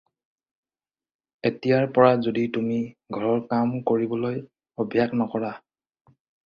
এতিয়াৰ পৰা যদি তুমি ঘৰৰ কাম কৰিবলৈ অভ্যাস নকৰা